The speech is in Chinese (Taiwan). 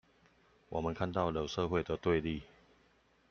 我們看到了社會的對立